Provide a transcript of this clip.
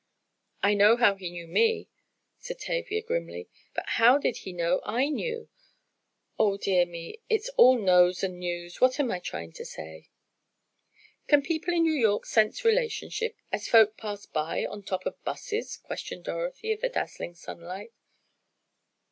"I know how he knew me," said Tavia, grimly. "But how did he know I knew? Oh, dear me, it's all knows and knews; what am I trying to say?" "Can people in New York sense relationship as folk pass by on top of 'buses?" questioned Dorothy, of the dazzling sunlight.